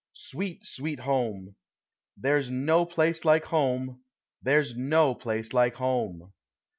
sweet, sweet Home! There 's no place like Home! there 's no place like Home